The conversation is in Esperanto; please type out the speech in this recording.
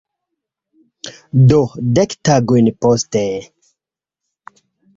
Do dek tagojn poste.